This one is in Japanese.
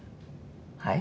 はい？